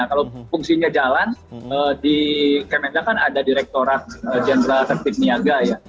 kalau fungsinya jalan di kemendak kan ada direktorat jenderal tertip niaga ya